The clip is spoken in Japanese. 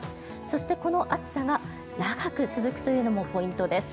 そして、この暑さが長く続くというのもポイントです。